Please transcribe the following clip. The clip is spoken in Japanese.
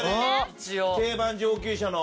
定番上級者の。